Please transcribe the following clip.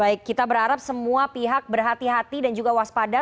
baik kita berharap semua pihak berhati hati dan juga waspada